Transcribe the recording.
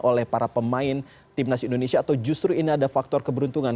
oleh para pemain timnas indonesia atau justru ini ada faktor keberuntungan